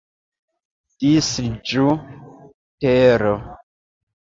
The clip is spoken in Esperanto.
Disiĝu, tero!